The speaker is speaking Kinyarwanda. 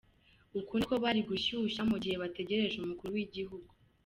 Uko niko bari gushushya mu gihe bategerje Umukuru w’igihugu.